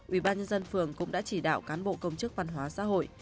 ubnd phường cũng đã chỉ đạo cán bộ công chức văn hóa xã hội